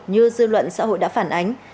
như dư luận xã hội đã phản ánh